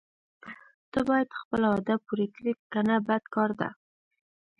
ته باید خپله وعده پوره کړې کنه بد کار ده.